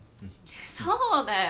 そうだよ。